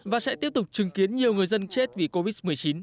và sẽ tiếp tục chứng kiến nhiều người dân chết vì covid một mươi chín